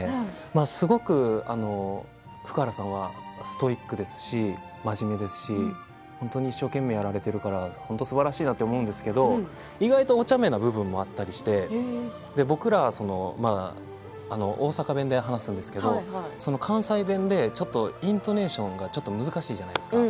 すごく福原さんはストイックですし真面目ですし本当に一生懸命やられているからすばらしいなと思うんですけど意外とおちゃめな部分もあったりして僕らは大阪弁で話すんですけどその関西弁で、ちょっとイントネーションが難しいじゃないですか。